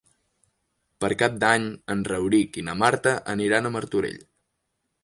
Per Cap d'Any en Rauric i na Marta aniran a Martorell.